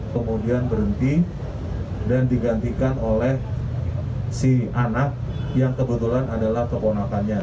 kemudian berhenti dan digantikan oleh si anak yang kebetulan adalah keponakannya